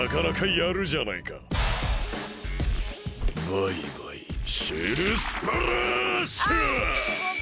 バイバイシェルスプラッシュ！